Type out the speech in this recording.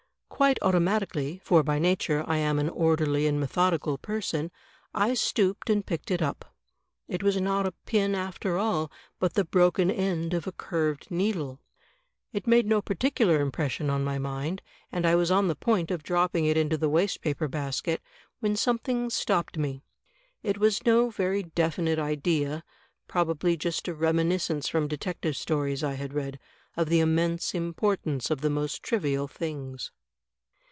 Quite automatically — ^for by nature I am an orderly and methodical person — I stooped and picked it up. It was not a pin after all, but the broken end of a curved needle. It made no particular impression on my mind, and I was on the point of dropping it into the waste paper basket, when something stopped me. It was no very definite idea, probably just a reminiscence from detective stories I had read, of the immense importance of the most trivial things."